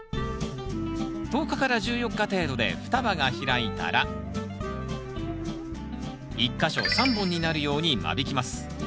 １０日から１４日程度で双葉が開いたら１か所３本になるように間引きます。